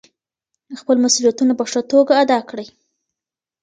خپل مسؤلیتونه په ښه توګه ادا کړئ.